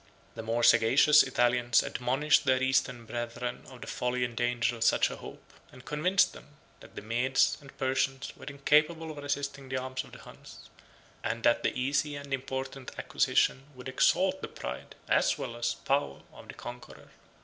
The more sagacious Italians admonished their Eastern brethren of the folly and danger of such a hope; and convinced them, that the Medes and Persians were incapable of resisting the arms of the Huns; and that the easy and important acquisition would exalt the pride, as well as power, of the conqueror.